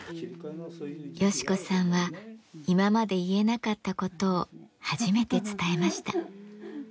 ヨシ子さんは今まで言えなかったことを初めて伝えました。